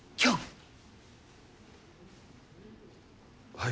はい。